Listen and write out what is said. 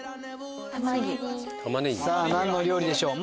さぁ何の料理でしょう？